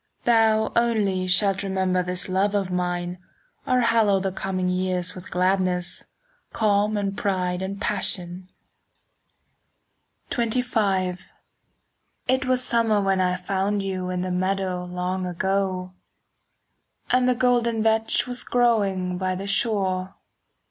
Thou only shalt remember This love of mine, or hallow 10 The coming years with gladness, Calm and pride and passion. XXV It was summer when I found you In the meadow long ago,— And the golden vetch was growing By the shore.